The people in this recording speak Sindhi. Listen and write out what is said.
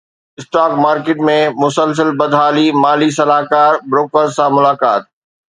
اسٽاڪ مارڪيٽ ۾ مسلسل بدحالي مالي صلاحڪار بروڪرز سان ملاقات